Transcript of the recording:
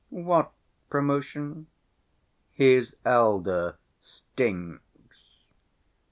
"What promotion?" "His elder stinks."